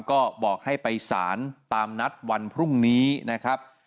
ก็บอกให้ไปสารตามนัดวันพรุ่งนี้นะครับ